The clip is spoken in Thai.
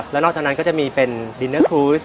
แล้วนอกจากนั้นก็จะมีเป็นดินเนอร์คูส